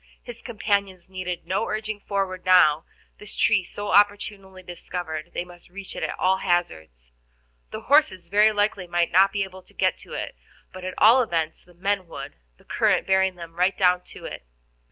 His companions needed no urging forward now; this tree, so opportunely discovered, they must reach at all hazards. The horses very likely might not be able to get to it, but, at all events, the men would, the current bearing them right down to it.